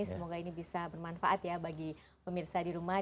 semoga ini bisa bermanfaat ya bagi pemirsa di rumah